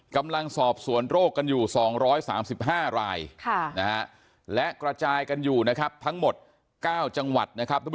กำลังสอบสวนโรคกันอยู่๒๓๕รายและกระจายกันอยู่นะครับทั้งหมด๙จังหวัดนะครับ